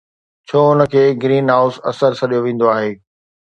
ڇو ان کي گرين هائوس اثر سڏيو ويندو آهي؟